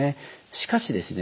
しかしですね